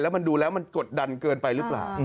แล้วมันดูแล้วมันกดดันเกินไปรึเปล่า